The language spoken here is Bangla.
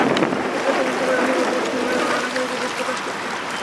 এরপর তদন্ত করে অথবা ভোট পুনরায় গণনা করে গেজেট প্রকাশ করত।